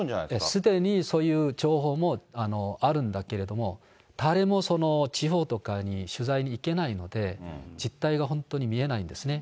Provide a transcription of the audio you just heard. すでにそういう情報もあるんだけれども、誰も地方とかに取材に行けないので、実態が本当に見えないんですね。